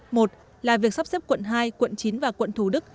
một là việc sắp xếp quận hai quận chín và quận thủ đức